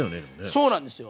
そうなんですよ。